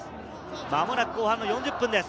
間もなく後半４０分です。